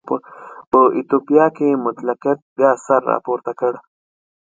په ایتوپیا کې مطلقیت بیا سر راپورته کړ.